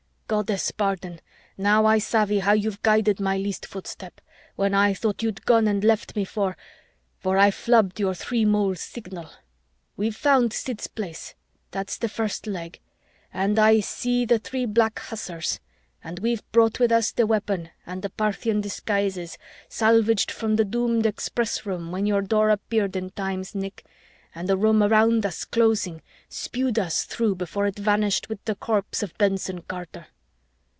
"Goddess, pardon, now I savvy how you've guided my least footstep, when I thought you'd gone and left me for I flubbed your three mole signal. We've found Sid's Place, that's the first leg, and I see the three black hussars, and we've brought with us the weapon and the Parthian disguises, salvaged from the doomed Express Room when your Door appeared in time's nick, and the Room around us closing spewed us through before it vanished with the corpse of Benson Carter.